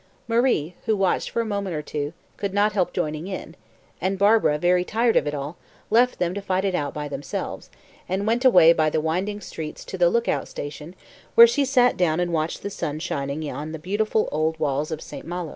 Marie, who watched for a moment or two, could not help joining in; and Barbara, very tired of it all, left them to fight it out by themselves, and went away by the winding streets to the look out station, where she sat down and watched the sun shining on the beautiful old walls of St. Malo.